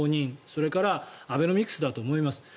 それからアベノミクスだと思います。